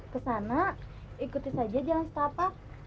ke sana ikuti saja jalan setapak